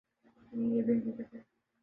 لیکن یہ بھی حقیقت ہے۔